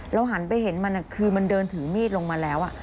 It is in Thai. หันไปเห็นมันคือมันเดินถือมีดลงมาแล้ว